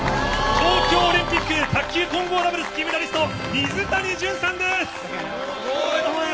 東京オリンピック卓球混合ダブルス金メダリスト・水谷隼さんです。